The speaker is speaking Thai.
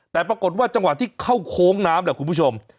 แต่ปรากฏว่าจังหวะที่เข้าโค้งน้ำแหละคุณผู้ชม